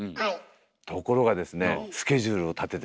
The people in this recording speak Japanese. ところがですね